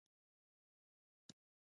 د قانون نشتون پانګوال ځوروي.